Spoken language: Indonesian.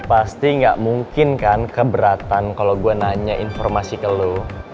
pasti gak mungkin kan keberatan kalau gue nanya informasi ke lo